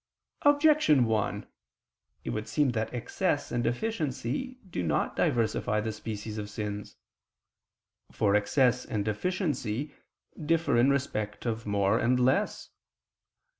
Objection 1: It would seem that excess and deficiency do not diversify the species of sins. For excess and deficiency differ in respect of more and less.